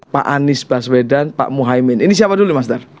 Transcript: pak anies baswedan pak muhaimin ini siapa dulu master